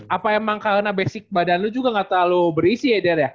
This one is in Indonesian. apa emang karena basic badan lu juga gak terlalu berisi ya dar ya